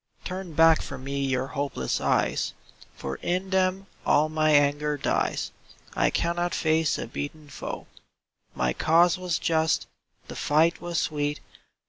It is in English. Turn back from me your hopeless eyes, For in them all my anger dies : I cannot face a beaten foe. My cause was just, the fight was sweet.